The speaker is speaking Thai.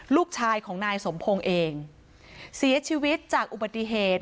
ลูกชายของนายสมพงศ์เองเสียชีวิตจากอุบัติเหตุ